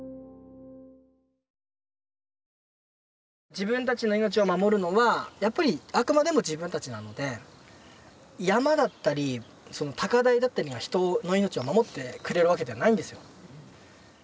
自分たちの命を守るのはやっぱりあくまでも自分たちなので山だったり高台だったりが人の命を守ってくれるわけではないんですよ。